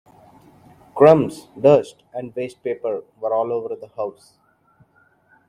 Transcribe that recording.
Crumbs, dust, and waste-paper were all over the house.